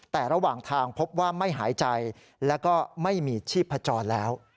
แต่ระหว่างทางพบว่าไม่หายใจแล้วก็ไม่มีชีพจรแล้ว